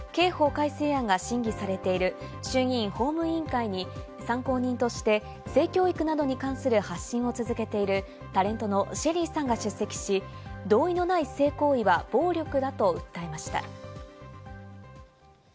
改正案が審議されている衆議院法務委員会に参考人として性教育などに関する発信を続けているタレントのＳＨＥＬＬＹさんが出席し、同意のない性行為は暴力だと訴えました。